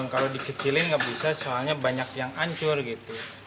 kalau dikecilin nggak bisa soalnya banyak yang hancur gitu